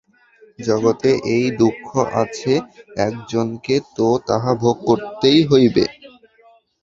জগতে এই দুঃখ আছে, একজনকে তো তাহা ভোগ করিতে হইবেই।